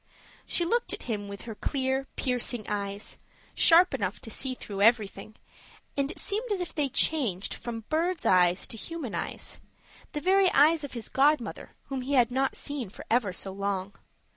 She looked at him with her clear, piercing eyes, sharp enough to see through everything, and it seemed as if they changed from bird's eyes to human eyes the very eyes of his godmother, whom he had not seen for ever so long.